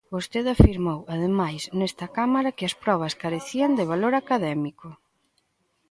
Vostede afirmou, ademais, nesta Cámara que as probas carecían de valor académico.